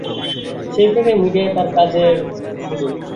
সেই থেকেই মিডিয়ায় তাঁর কাজের শুরু।